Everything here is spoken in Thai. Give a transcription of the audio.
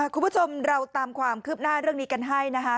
คุณผู้ชมเราตามความคืบหน้าเรื่องนี้กันให้นะคะ